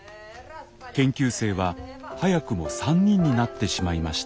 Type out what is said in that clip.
研究生は早くも３人になってしまいました。